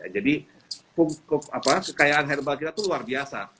jadi kekayaan herbal kita itu luar biasa